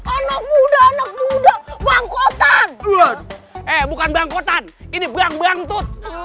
anak muda anak muda bangkotan bukan bangkotan ini bang bangtut